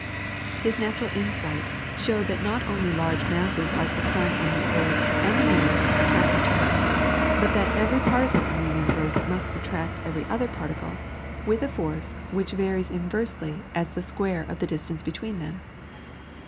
His natural insight showed that not only large masses like the sun and the earth, and the moon, attract each other, but that every particle in the universe must attract every other particle with a force which varies inversely as the square of the distance between them.